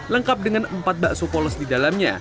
lengkap dengan empat bakso polos di dalamnya